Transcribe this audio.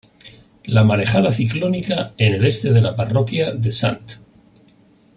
La marejada ciclónica en el este de la parroquia de St.